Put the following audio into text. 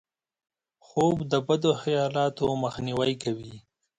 خوب د بدو خیالاتو مخنیوی کوي